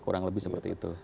kurang lebih seperti itu